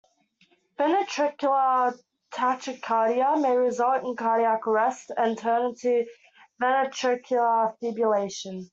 Ventricular tachycardia may result in cardiac arrest and turn into ventricular fibrillation.